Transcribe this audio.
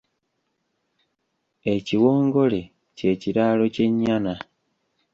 Ekiwongole ky'ekiraalo ky'e nnyana.